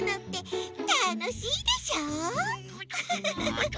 フフフフ！